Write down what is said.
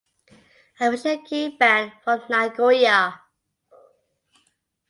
A visual kei band from Nagoya.